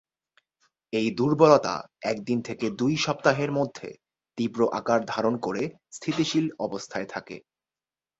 এই দূর্বলতা একদিন থেকে দুই সপ্তাহের মধ্যে তীব্র আকার ধারণ করে স্থিতিশীল অবস্থায় থাকে।